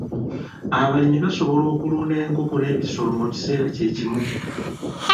Abalimi basobola okulunda enkoko n'ebisolo mu kiseera kye kimu.